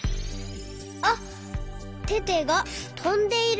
あっテテがとんでいる。